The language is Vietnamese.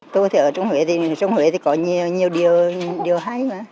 tôi thì ở trong huế thì có nhiều điều hay mà